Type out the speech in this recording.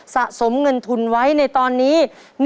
สะสมเงินทุนไว้ในตอนนี้